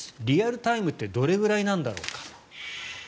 リアルタイムってどれくらいなんだろうか。